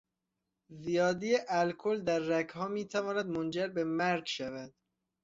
زیادی الکل در رگها میتواند منجر به مرگ شود.